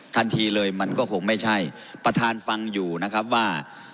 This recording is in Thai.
ทันทีเลยมันก็คงไม่ใช่ประธานฟังอยู่นะครับว่า